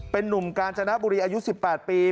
เป็นนุ่มกาญจนบุรีอายุ๑๘ปี